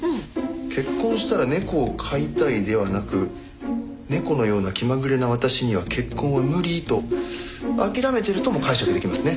結婚したら猫を飼いたいではなく猫のような気まぐれな私には結婚は無理と諦めてるとも解釈出来ますね。